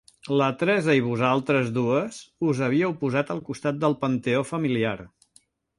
La Teresa i vosaltres dues us havíeu posat al costat del panteó familiar.